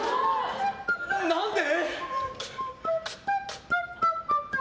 何で？